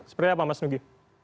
seperti apa mas nugi